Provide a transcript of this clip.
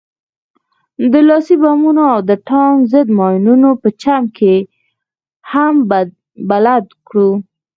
د لاسي بمونو او د ټانک ضد ماينونو په چم يې هم بلد کړو.